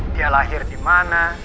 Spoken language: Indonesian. dia lahir di mana